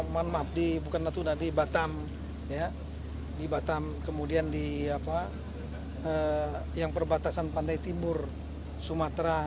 maaf di batam kemudian di perbatasan pantai timur sumatera